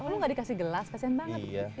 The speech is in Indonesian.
oh lu gak dikasih gelas kasian banget